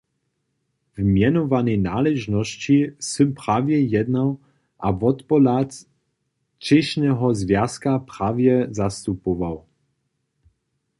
W mjenowanej naležnosći sym prawje jednał a wotpohlad třěšneho zwjazka prawje zastupował.